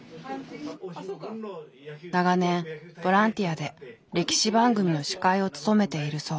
長年ボランティアで歴史番組の司会を務めているそう。